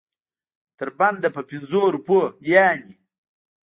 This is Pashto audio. تر بنده په پنځو روپو یعنې.